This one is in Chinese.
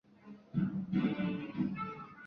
他何德何能受到诺贝尔委员会的青睐。